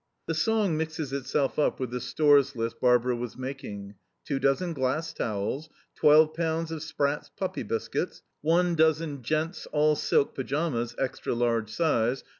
The song mixes itself up with the Stores list Barbara was making: "Two dozen glass towels. Twelve pounds of Spratt's puppy biscuits. One dozen gent.'s all silk pyjamas, extra large size"